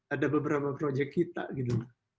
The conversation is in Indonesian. ada beberapa project kita gitu